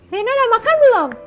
reina udah makan belum